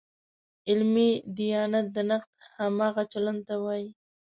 علمي دیانت د نقد همغه چلن ته وایي.